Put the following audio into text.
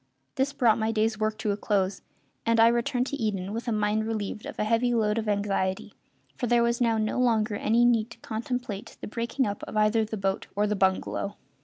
This brought my day's work to a close, and I returned to Eden with a mind relieved of a heavy load of anxiety, for there was now no longer any need to contemplate the breaking up of either the boat or the bungalow.